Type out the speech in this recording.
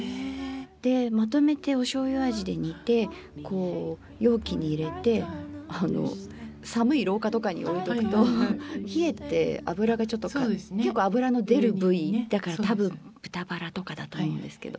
でまとめてお醤油味で煮てこう容器に入れてあの寒い廊下とかに置いとくと冷えて脂がちょっと結構脂の出る部位だから多分豚バラとかだと思うんですけど。